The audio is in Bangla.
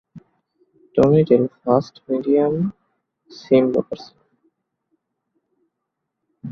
Tony Dale fast medium seam bowler ছিলেন।